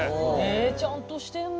えちゃんとしてんな。